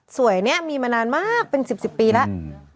สวยนี้มีมานานมากเป็น๑๐ปีแล้ว